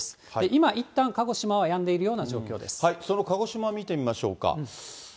今、いったん鹿児島はやんでいるその鹿児島、見てみましょうか。